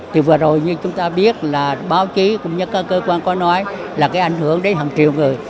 thì vừa rồi như chúng ta biết là báo chí cũng như các cơ quan có nói là cái ảnh hưởng đến hàng triệu người